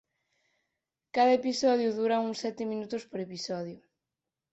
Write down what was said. Cada episodio dura uns sete minutos por episodio.